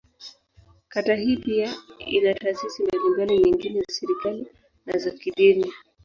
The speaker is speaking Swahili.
Kata hii pia ina taasisi mbalimbali nyingine za serikali, na za kidini.